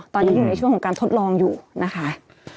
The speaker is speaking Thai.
ตอนนี้อยู่ในช่วงของการทดลองอยู่นะคะ